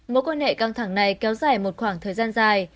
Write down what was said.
mối quan hệ căng thẳng này kéo dài một khoảng thời gian dài